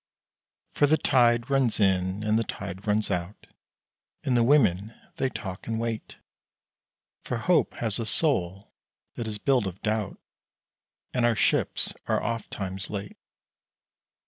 For the tide runs in and the tide runs out, And the women they talk and wait, For hope has a soul that is built of doubt, And our ships are ofttimes late.